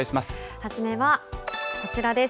初めはこちらです。